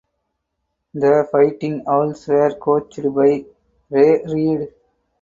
The Fighting Owls were coached by Ray Reid.